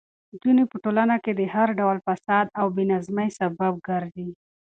نجونې په ټولنه کې د هر ډول فساد او بې نظمۍ سبب ګرځي.